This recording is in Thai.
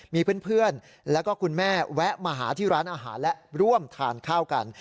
มีเพื่อนแล้วก็คุณแม่แวะมาหาที่ร้านอาหารและร่วมทานข้าวกัน